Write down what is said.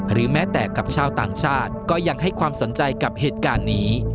หรือแม้แต่กับชาวต่างชาติก็ยังให้ความสนใจกับเหตุการณ์นี้